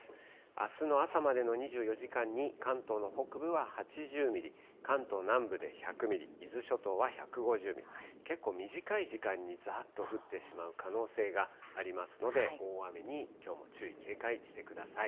あすの朝までの２４時間に、関東の北部は８０ミリ、関東南部で１００ミリ、伊豆諸島は１５０ミリ、結構短い時間にざーっと降ってしまう可能性がありますので、大雨にきょうも注意、警戒してください。